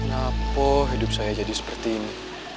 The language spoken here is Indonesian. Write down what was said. kenapa hidup saya jadi seperti ini